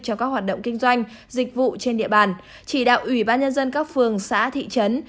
cho các hoạt động kinh doanh dịch vụ trên địa bàn chỉ đạo ủy ban nhân dân các phường xã thị trấn